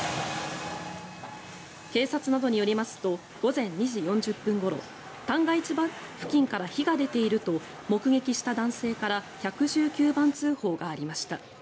警察などによりますと午前２時４０分ごろ旦過市場付近から火が出ていると目撃した男性から１１９番通報がありました。